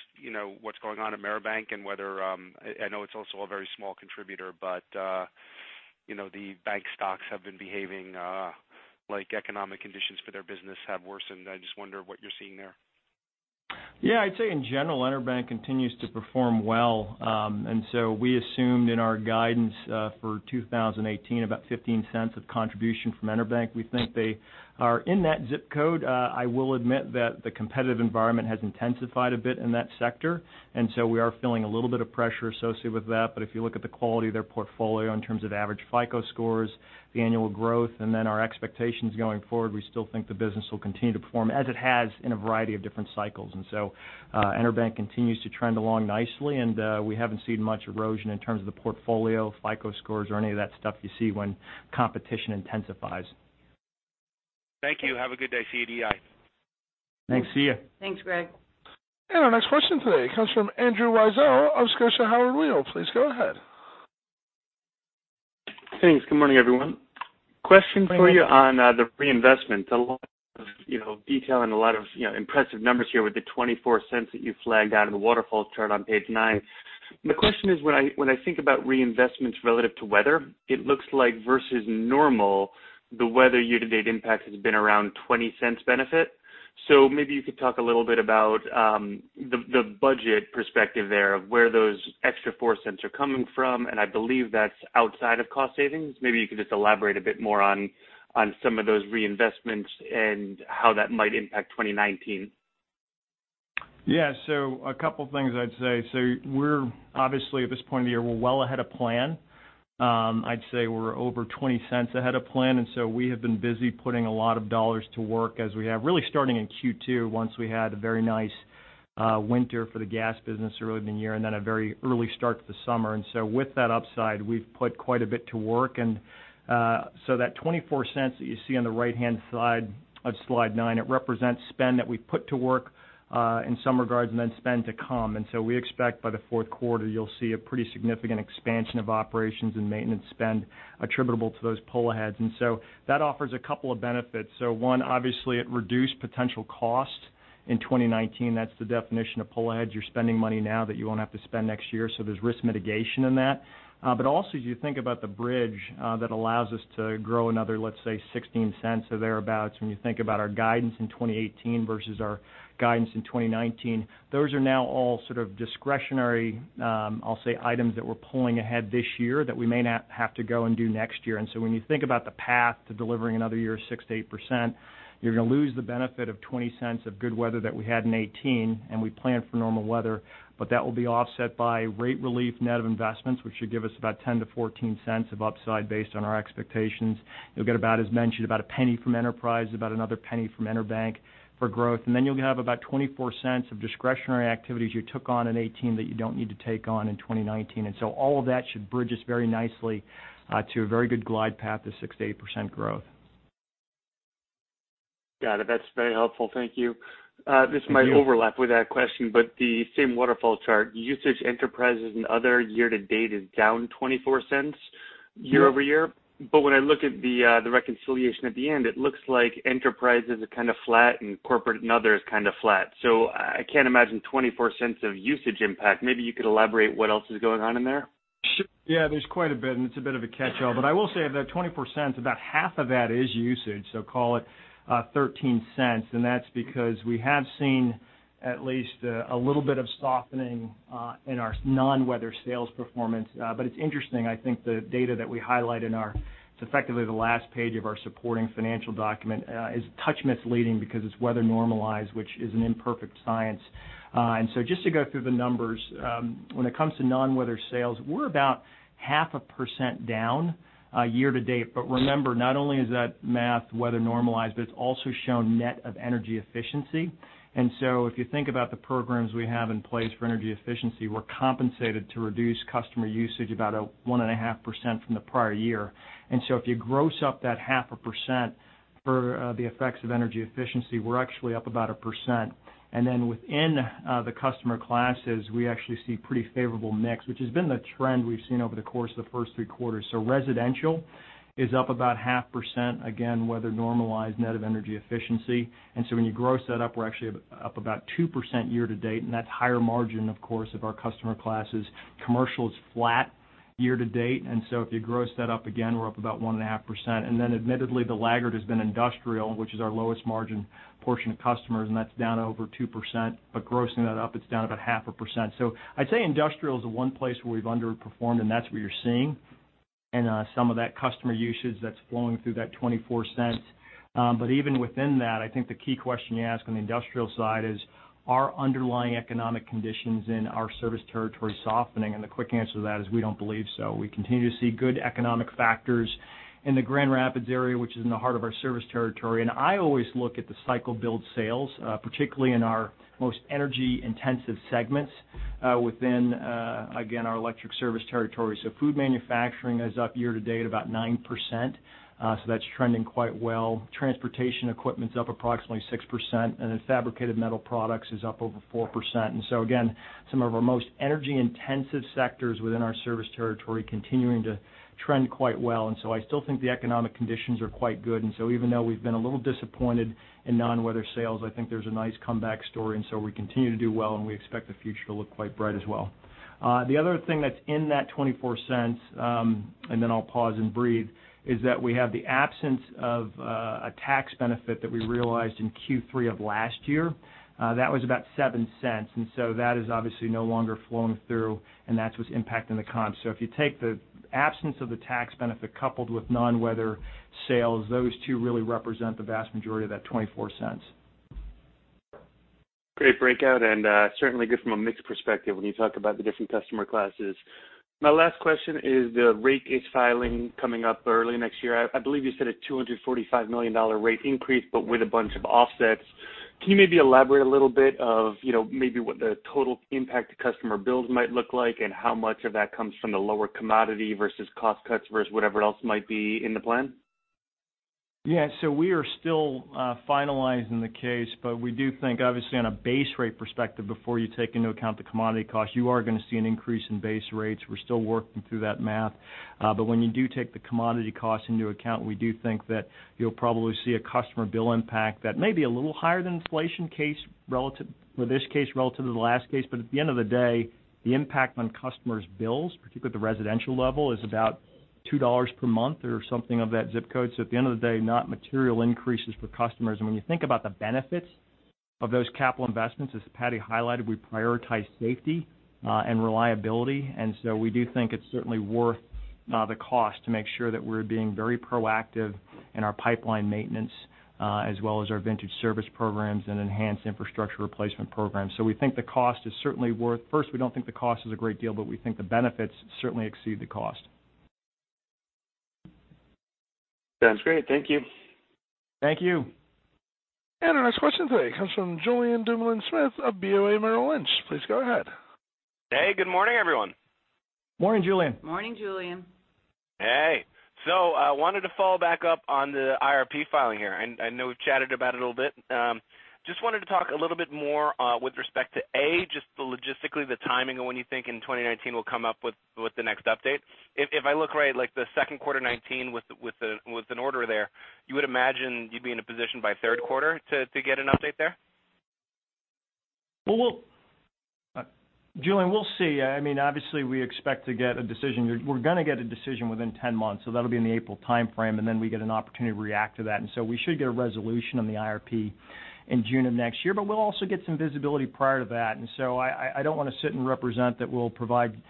what's going on at EnerBank? I know it's also a very small contributor. The bank stocks have been behaving like economic conditions for their business have worsened, and I just wonder what you're seeing there. Yeah. I'd say in general, EnerBank continues to perform well. We assumed in our guidance, for 2018, about $0.15 of contribution from EnerBank. We think they are in that zip code. I will admit that the competitive environment has intensified a bit in that sector, and so we are feeling a little bit of pressure associated with that. If you look at the quality of their portfolio in terms of average FICO scores, the annual growth, and then our expectations going forward, we still think the business will continue to perform as it has in a variety of different cycles. EnerBank continues to trend along nicely, and we haven't seen much erosion in terms of the portfolio, FICO scores or any of that stuff you see when competition intensifies. Thank you. Have a good day. See you at EEI. Thanks. See you. Thanks, Greg. Our next question today comes from Andrew Weisel of Scotia Howard Weil. Please go ahead. Thanks. Good morning, everyone. Question for you on the reinvestment. A lot of detail and a lot of impressive numbers here with the $0.24 that you flagged out in the waterfall chart on page nine. My question is, when I think about reinvestments relative to weather, it looks like versus normal, the weather year-to-date impact has been around $0.20 benefit. Maybe you could talk a little bit about the budget perspective there of where those extra $0.04 are coming from, and I believe that's outside of cost savings. Maybe you could just elaborate a bit more on some of those reinvestments and how that might impact 2019. Yeah. A couple things I'd say. We're obviously at this point in the year, we're well ahead of plan. I'd say we're over $0.20 ahead of plan. We have been busy putting a lot of dollars to work as we have really starting in Q2 once we had a very nice winter for the gas business early in the year and then a very early start to the summer. With that upside, we've put quite a bit to work. That $0.24 that you see on the right-hand side of slide nine, it represents spend that we put to work, in some regards, and then spend to come. We expect by the fourth quarter you'll see a pretty significant expansion of operations and maintenance spend attributable to those pull-aheads. That offers a couple of benefits. One, obviously it reduced potential costs in 2019, that's the definition of pull ahead. You're spending money now that you won't have to spend next year, so there's risk mitigation in that. Also, as you think about the bridge that allows us to grow another, let's say, $0.16 or thereabout, when you think about our guidance in 2018 versus our guidance in 2019, those are now all sort of discretionary, I'll say, items that we're pulling ahead this year that we may not have to go and do next year. When you think about the path to delivering another year of 6%-8%, you're going to lose the benefit of $0.20 of good weather that we had in 2018, and we plan for normal weather. That will be offset by rate relief net of investments, which should give us about $0.10-$0.14 of upside based on our expectations. You'll get about, as mentioned, about $0.01 from Enterprises, about another $0.01 from EnerBank for growth. You'll have about $0.24 of discretionary activities you took on in 2018 that you don't need to take on in 2019. All of that should bridge us very nicely to a very good glide path to 6%-8% growth. Got it. That's very helpful. Thank you. Thank you. This might overlap with that question, the same waterfall chart usage Enterprises and other year-to-date is down $0.24 year-over-year. When I look at the reconciliation at the end, it looks like Enterprises are kind of flat and corporate and other is kind of flat. I can't imagine $0.24 of usage impact. Maybe you could elaborate what else is going on in there. Sure. Yeah, there's quite a bit, and it's a bit of a catch-all. I will say of that $0.24, about half of that is usage, so call it $0.13. That's because we have seen at least a little bit of softening in our non-weather sales performance. It's interesting. I think the data that we highlight in our, it's effectively the last page of our supporting financial document, is a touch misleading because it's weather normalized, which is an imperfect science. Just to go through the numbers, when it comes to non-weather sales, we're about 0.5% down year-to-date. Remember, not only is that math weather normalized, but it's also shown net of energy efficiency. If you think about the programs we have in place for energy efficiency, we're compensated to reduce customer usage about 1.5% from the prior year. If you gross up that 0.5% for the effects of energy efficiency, we're actually up about 1%. Within the customer classes, we actually see pretty favorable mix, which has been the trend we've seen over the course of the first three quarters. Residential is up about 0.5%, again, weather normalized net of energy efficiency. When you gross that up, we're actually up about 2% year-to-date, that's higher margin, of course, of our customer classes. Commercial is flat year-to-date, if you gross that up, again, we're up about 1.5%. Admittedly, the laggard has been industrial, which is our lowest margin portion of customers, that's down over 2%, grossing that up, it's down about 0.5%. I'd say industrial is the one place where we've underperformed, that's where you're seeing in some of that customer usage that's flowing through that $0.24. Even within that, I think the key question you ask on the industrial side is, are underlying economic conditions in our service territory softening? The quick answer to that is we don't believe so. We continue to see good economic factors in the Grand Rapids area, which is in the heart of our service territory. I always look at the cycle build sales, particularly in our most energy-intensive segments within, again, our electric service territory. Food manufacturing is up year-to-date about 9%, that's trending quite well. Transportation equipment's up approximately 6%, fabricated metal products is up over 4%. Again, some of our most energy-intensive sectors within our service territory continuing to trend quite well. I still think the economic conditions are quite good. Even though we've been a little disappointed in non-weather sales, I think there's a nice comeback story. We continue to do well, and we expect the future to look quite bright as well. The other thing that's in that $0.24, then I'll pause and breathe, is that we have the absence of a tax benefit that we realized in Q3 of last year. That was about $0.07. That is obviously no longer flowing through, that's what's impacting the comp. If you take the absence of the tax benefit coupled with non-weather sales, those two really represent the vast majority of that $0.24. Great breakout. Certainly good from a mix perspective when you talk about the different customer classes. My last question is the rate case filing coming up early next year. I believe you said a $245 million rate increase, but with a bunch of offsets. Can you maybe elaborate a little bit of maybe what the total impact to customer bills might look like and how much of that comes from the lower commodity versus cost cuts versus whatever else might be in the plan? We are still finalizing the case. We do think, obviously on a base rate perspective, before you take into account the commodity cost, you are going to see an increase in base rates. We're still working through that math. When you do take the commodity cost into account, we do think that you'll probably see a customer bill impact that may be a little higher than inflation case with this case relative to the last case. At the end of the day, the impact on customers' bills, particularly at the residential level, is about $2 per month or something of that zip code. At the end of the day, not material increases for customers. When you think about the benefits of those capital investments, as Patty highlighted, we prioritize safety and reliability. We do think it's certainly worth the cost to make sure that we're being very proactive in our pipeline maintenance, as well as our vintage service programs and Enhanced Infrastructure Replacement Programs. We think the cost is certainly worth, first, we don't think the cost is a great deal. We think the benefits certainly exceed the cost. Sounds great. Thank you. Thank you. Our next question today comes from Julien Dumoulin-Smith of BofA Merrill Lynch. Please go ahead. Hey, good morning, everyone. Morning, Julien. Morning, Julien. Hey. I wanted to follow back up on the IRP filing here. I know we've chatted about it a little bit. Just wanted to talk a little bit more with respect to, A, just the logistically the timing of when you think in 2019 we'll come up with the next update. If I look right, like the second quarter 2019 with an order there, you would imagine you'd be in a position by third quarter to get an update there? Well, Julien, we'll see. Obviously, we expect to get a decision. We're going to get a decision within 10 months, that'll be in the April timeframe, we get an opportunity to react to that. We should get a resolution on the IRP in June of next year. We'll also get some visibility prior to that. I don't want to sit and represent that we'll provide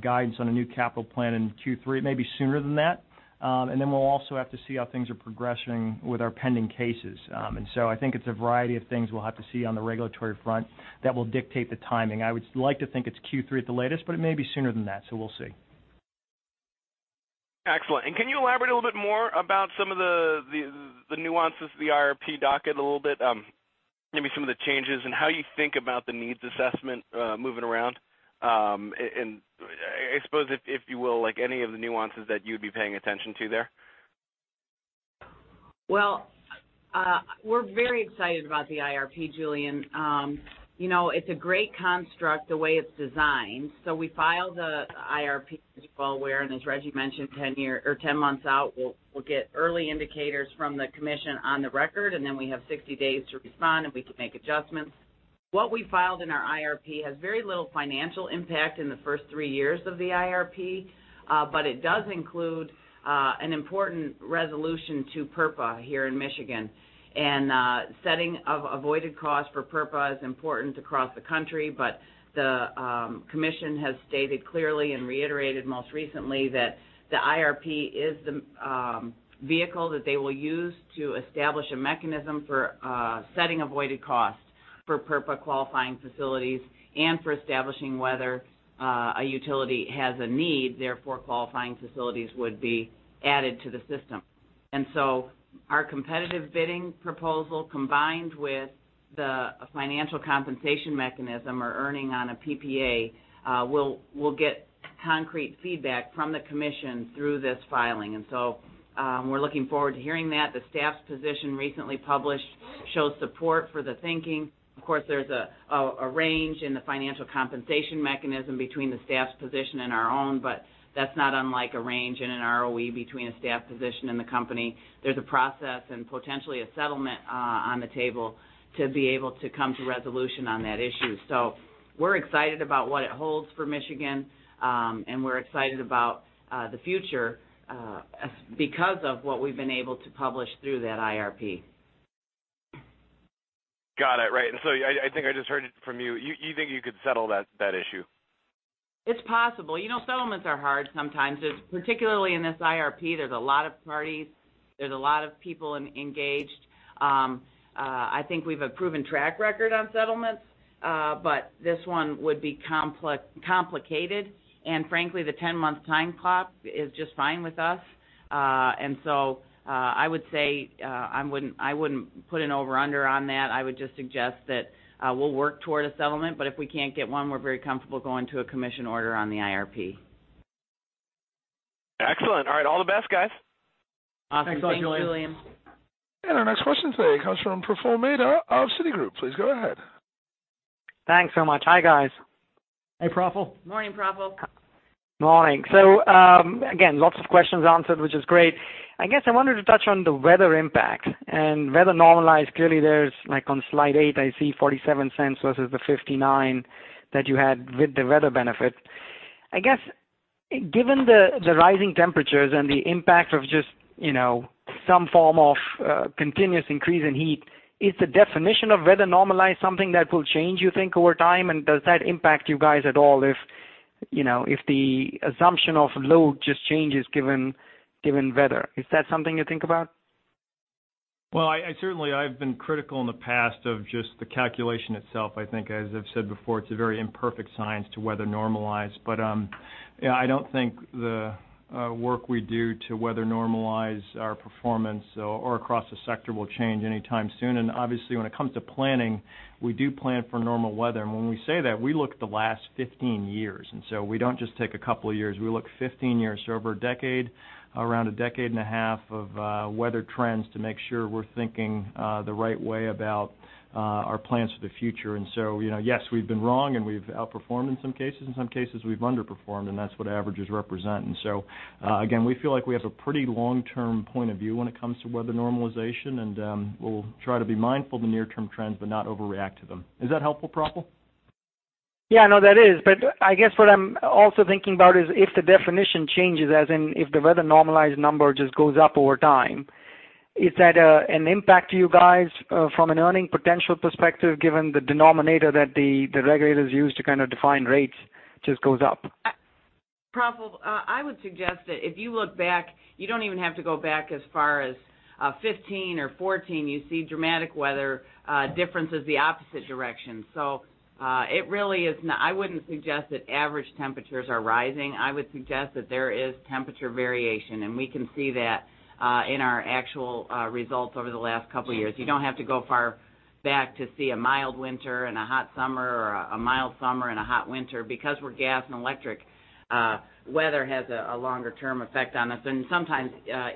guidance on a new capital plan in Q3. It may be sooner than that. We'll also have to see how things are progressing with our pending cases. I think it's a variety of things we'll have to see on the regulatory front that will dictate the timing. I would like to think it's Q3 at the latest, it may be sooner than that, we'll see. Excellent. Can you elaborate a little bit more about some of the nuances of the IRP docket a little bit? Maybe some of the changes and how you think about the needs assessment moving around. I suppose, if you will, any of the nuances that you'd be paying attention to there? We're very excited about the IRP, Julien. It's a great construct, the way it's designed. We filed the IRP, as you're well aware, and as Rejji mentioned, 10 months out, we'll get early indicators from the commission on the record, then we have 60 days to respond, and we can make adjustments. What we filed in our IRP has very little financial impact in the first 3 years of the IRP. It does include an important resolution to PURPA here in Michigan. Setting of avoided cost for PURPA is important across the country, the commission has stated clearly and reiterated most recently that the IRP is the vehicle that they will use to establish a mechanism for setting avoided costs for PURPA-qualifying facilities and for establishing whether a utility has a need, therefore qualifying facilities would be added to the system. Our competitive bidding proposal, combined with the financial compensation mechanism or earning on a PPA, will get concrete feedback from the commission through this filing. We're looking forward to hearing that. The staff's position recently published shows support for the thinking. There's a range in the financial compensation mechanism between the staff's position and our own, that's not unlike a range in an ROE between a staff position and the company. There's a process and potentially a settlement on the table to be able to come to resolution on that issue. We're excited about what it holds for Michigan, and we're excited about the future because of what we've been able to publish through that IRP. Got it. Right. I think I just heard it from you. You think you could settle that issue? It's possible. Settlements are hard sometimes. Particularly in this IRP, there's a lot of parties. There's a lot of people engaged. I think we've a proven track record on settlements. This one would be complicated, and frankly, the 10-month time clock is just fine with us. I would say I wouldn't put an over-under on that. I would just suggest that we'll work toward a settlement, if we can't get one, we're very comfortable going to a commission order on the IRP. Excellent. All right. All the best, guys. Awesome. Thanks, Julien. Thank you, Julien. Our next question today comes from Praful Mehta of Citigroup. Please go ahead. Thanks so much. Hi, guys. Hey, Praful. Morning, Praful. Morning. Again, lots of questions answered, which is great. I guess I wanted to touch on the weather impact and weather normalized. Clearly there's, on slide eight, I see $0.47 versus the $0.59 that you had with the weather benefit. I guess, given the rising temperatures and the impact of just some form of continuous increase in heat, is the definition of weather normalized something that will change, you think, over time? Does that impact you guys at all if the assumption of load just changes given weather? Is that something you think about? Certainly, I've been critical in the past of just the calculation itself. I think as I've said before, it's a very imperfect science to weather normalize. I don't think the work we do to weather normalize our performance or across the sector will change anytime soon. Obviously, when it comes to planning, we do plan for normal weather. When we say that, we look at the last 15 years. We don't just take a couple of years. We look 15 years. So over a decade, around a decade and a half of weather trends to make sure we're thinking the right way about our plans for the future. Yes, we've been wrong, and we've outperformed in some cases. In some cases, we've underperformed, and that's what averages represent. Again, we feel like we have a pretty long-term point of view when it comes to weather normalization, and we'll try to be mindful of the near-term trends but not overreact to them. Is that helpful, Praful? No, that is. I guess what I'm also thinking about is if the definition changes, as in if the weather normalized number just goes up over time, is that an impact to you guys from an earning potential perspective given the denominator that the regulators use to kind of define rates just goes up? Praful, I would suggest that if you look back, you don't even have to go back as far as 2015 or 2014, you see dramatic weather differences the opposite direction. I wouldn't suggest that average temperatures are rising. I would suggest that there is temperature variation, and we can see that in our actual results over the last couple of years. You don't have to go far back to see a mild winter and a hot summer or a mild summer and a hot winter. We're gas and electric, weather has a longer-term effect on us and sometimes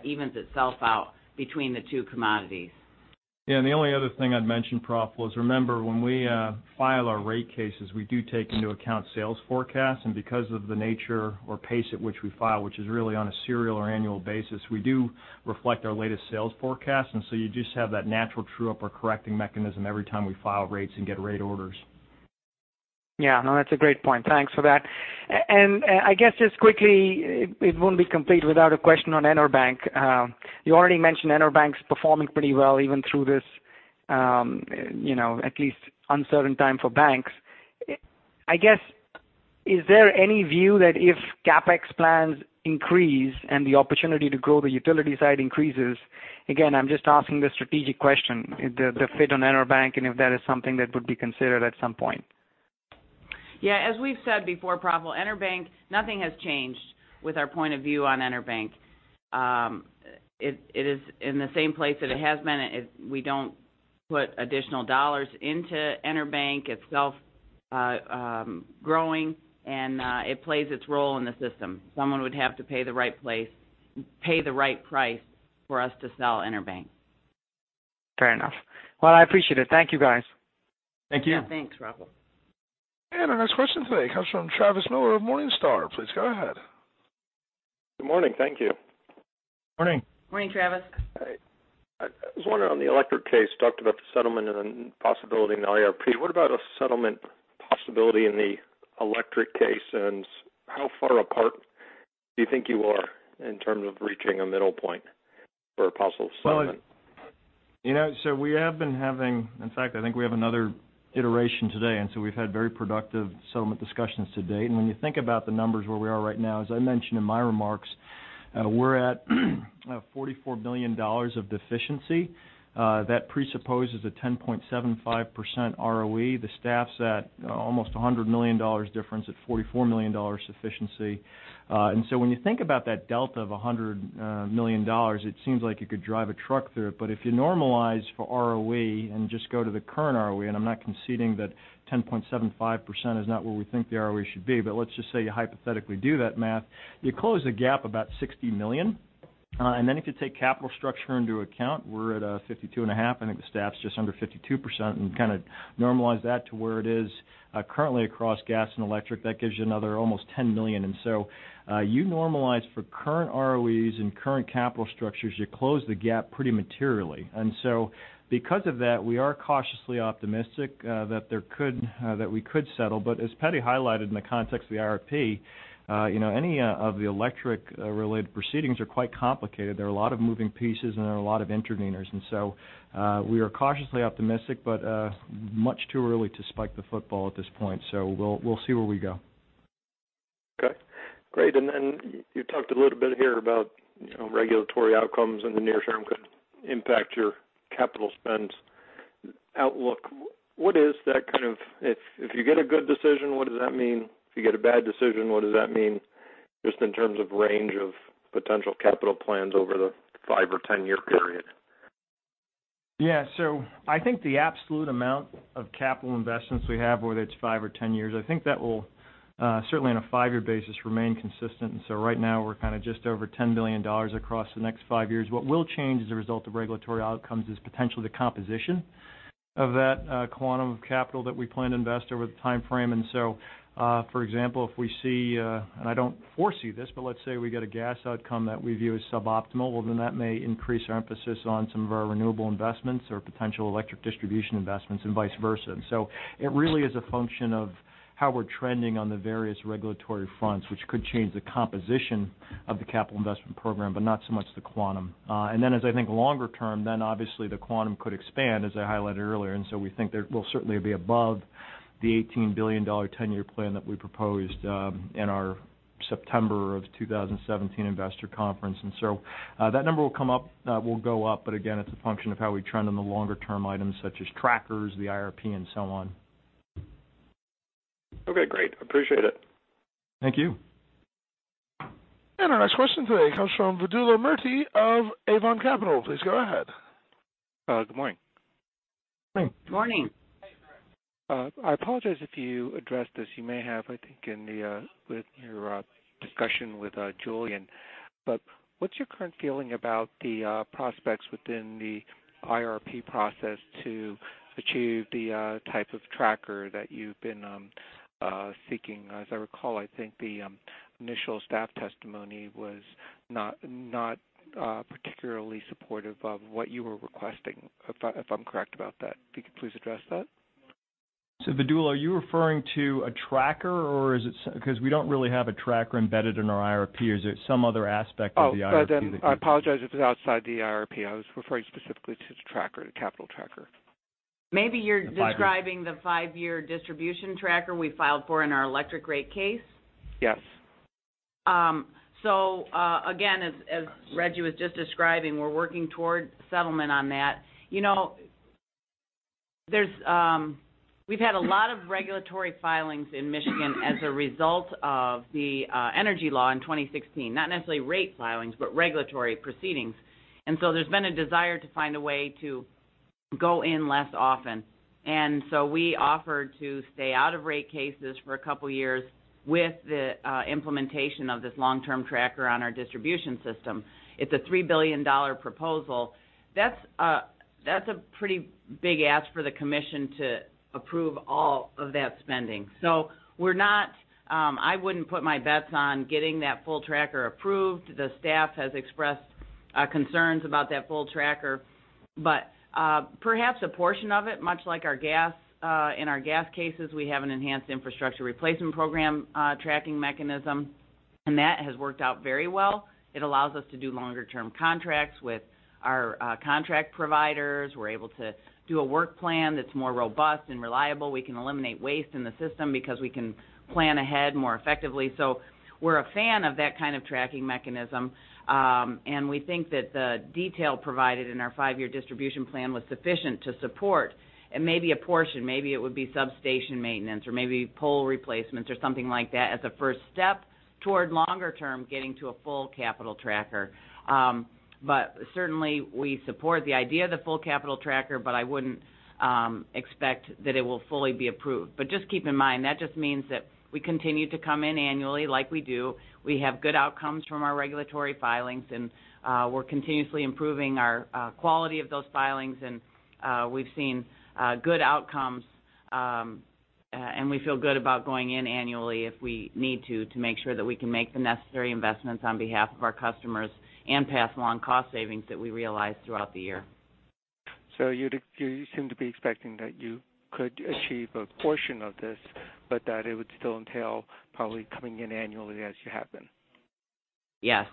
evens itself out between the two commodities. The only other thing I'd mention, Praful, is remember, when we file our rate cases, we do take into account sales forecasts. Because of the nature or pace at which we file, which is really on a serial or annual basis, we do reflect our latest sales forecast. You just have that natural true-up or correcting mechanism every time we file rates and get rate orders. Yeah, no, that's a great point. Thanks for that. I guess just quickly, it won't be complete without a question on EnerBank. You already mentioned EnerBank's performing pretty well even through this at least uncertain time for banks. I guess, is there any view that if CapEx plans increase and the opportunity to grow the utility side increases, again, I'm just asking the strategic question, the fit on EnerBank, and if that is something that would be considered at some point? Yeah. As we've said before, Praful, EnerBank, nothing has changed with our point of view on EnerBank. It is in the same place that it has been. We don't put additional dollars into EnerBank. It's self-growing, and it plays its role in the system. Someone would have to pay the right price for us to sell EnerBank. Fair enough. Well, I appreciate it. Thank you, guys. Thank you. Yeah. Thanks, Praful. Our next question today comes from Travis Miller of Morningstar. Please go ahead. Good morning. Thank you. Morning. Morning, Travis. Hi. I was wondering on the electric case, you talked about the settlement and the possibility in the IRP. What about a settlement possibility in the electric case, and how far apart do you think you are in terms of reaching a middle point for a possible settlement? We have been having, in fact, I think we have another iteration today, we've had very productive settlement discussions to date. When you think about the numbers where we are right now, as I mentioned in my remarks, we're at $44 million of deficiency. That presupposes a 10.75% ROE. The staff's at almost $100 million difference at $44 million sufficiency. When you think about that delta of $100 million, it seems like you could drive a truck through it. If you normalize for ROE and just go to the current ROE, and I'm not conceding that 10.75% is not where we think the ROE should be. Let's just say you hypothetically do that math, you close the gap about $60 million. If you take capital structure into account, we're at a 52.5%. I think the staff's just under 52%, and kind of normalize that to where it is currently across gas and electric, that gives you another almost $10 million. You normalize for current ROEs and current capital structures, you close the gap pretty materially. Because of that, we are cautiously optimistic that we could settle. As Patty highlighted in the context of the IRP, any of the electric-related proceedings are quite complicated. There are a lot of moving pieces, and there are a lot of interveners. We are cautiously optimistic, but much too early to spike the football at this point. We'll see where we go. Okay. Great. You talked a little bit here about regulatory outcomes in the near term could impact your capital spend outlook. What is that kind of if you get a good decision, what does that mean? If you get a bad decision, what does that mean? Just in terms of range of potential capital plans over the 5 or 10-year period. Yeah. I think the absolute amount of capital investments we have, whether it's 5 or 10 years, I think that will, certainly on a 5-year basis, remain consistent. Right now we're kind of just over $10 billion across the next 5 years. What will change as a result of regulatory outcomes is potentially the composition of that quantum of capital that we plan to invest over the timeframe. For example, if we see, and I don't foresee this, but let's say we get a gas outcome that we view as suboptimal, well, that may increase our emphasis on some of our renewable investments or potential electric distribution investments and vice versa. It really is a function of how we're trending on the various regulatory fronts, which could change the composition of the capital investment program, but not so much the quantum. As I think longer term, obviously the quantum could expand, as I highlighted earlier. We think that we'll certainly be above the $18 billion 10-year plan that we proposed in our September 2017 investor conference. That number will go up. Again, it's a function of how we trend on the longer term items such as trackers, the IRP and so on. Okay, great. Appreciate it. Thank you. Our next question today comes from Vedula Murti of Avon Capital. Please go ahead. Good morning. Morning. Morning. I apologize if you addressed this. You may have, I think, with your discussion with Julien. What's your current feeling about the prospects within the IRP process to achieve the type of tracker that you've been seeking? As I recall, I think the initial staff testimony was not particularly supportive of what you were requesting, if I'm correct about that. If you could please address that. Vidula, are you referring to a tracker, or is it, because we don't really have a tracker embedded in our IRP. Or is it some other aspect of the IRP that you're I apologize if it's outside the IRP. I was referring specifically to the tracker, the capital tracker. Maybe you're describing the five-year distribution tracker we filed for in our electric rate case. Yes. Again, as Rejji was just describing, we're working towards settlement on that. We've had a lot of regulatory filings in Michigan as a result of the energy law in 2016, not necessarily rate filings, but regulatory proceedings. There's been a desire to find a way to go in less often. We offered to stay out of rate cases for a couple of years with the implementation of this long-term tracker on our distribution system. It's a $3 billion proposal. That's a pretty big ask for the commission to approve all of that spending. I wouldn't put my bets on getting that full tracker approved. The staff has expressed concerns about that full tracker. Perhaps a portion of it, much like our gas. In our gas cases, we have an Enhanced Infrastructure Replacement Program tracking mechanism, and that has worked out very well. It allows us to do longer-term contracts with our contract providers. We're able to do a work plan that's more robust and reliable. We can eliminate waste in the system because we can plan ahead more effectively. We're a fan of that kind of tracking mechanism, and we think that the detail provided in our five-year distribution plan was sufficient to support maybe a portion, maybe it would be substation maintenance or maybe pole replacements or something like that as a first step toward longer term getting to a full capital tracker. Certainly we support the idea of the full capital tracker, but I wouldn't expect that it will fully be approved. Just keep in mind, that just means that we continue to come in annually like we do. We have good outcomes from our regulatory filings, and we're continuously improving our quality of those filings. We've seen good outcomes, and we feel good about going in annually if we need to make sure that we can make the necessary investments on behalf of our customers and pass along cost savings that we realize throughout the year. You seem to be expecting that you could achieve a portion of this, but that it would still entail probably coming in annually as you have been. Yes.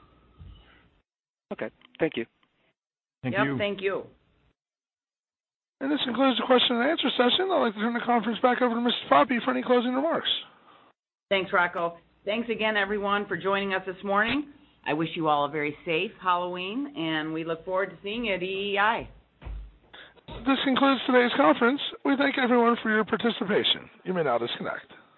Okay. Thank you. Thank you. Yep. Thank you. This concludes the question and answer session. I'd like to turn the conference back over to Mrs. Poppe for any closing remarks. Thanks, Rocco. Thanks again, everyone, for joining us this morning. I wish you all a very safe Halloween, and we look forward to seeing you at EEI. This concludes today's conference. We thank everyone for your participation. You may now disconnect.